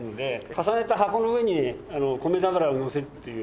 重ねた箱の上に米俵をのせるっていう。